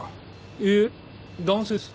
いえ男性です。